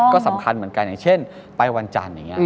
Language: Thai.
ก็สำคัญเหมือนกันอย่างเช่นไปวันจันทร์อย่างนี้